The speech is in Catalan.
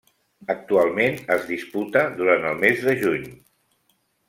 Actualment es disputa durant el mes de juny.